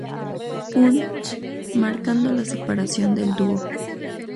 Punch marcando la separación del dúo.